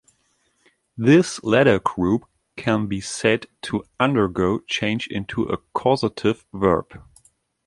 This latter group can be said to undergo change into a causative verb.